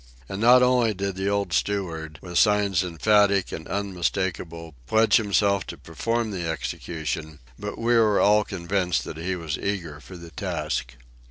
And not only did the old steward, with signs emphatic and unmistakable, pledge himself to perform the execution, but we were all convinced that he was eager for the task.